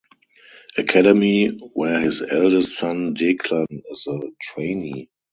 Academy, where his eldest son Declan is a trainee.